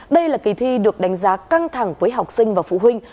đây là kỳ thi được đánh giá căng thẳng với học sinh và phụ huynh